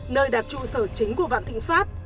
nơi đặt trụ sở chính của vạn thịnh pháp